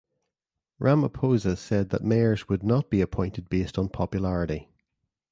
Ramaphosa said that mayors would not be appointed based on popularity.